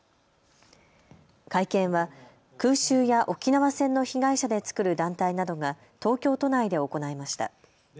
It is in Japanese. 会見は空襲や沖縄戦の被害者で作る団体などが東京都内で行いました。